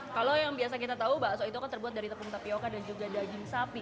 kalau yang biasa kita tahu bakso itu kan terbuat dari tepung tapioca dan juga daging sapi